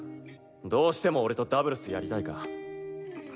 どうしても俺とダブルスやりたいか？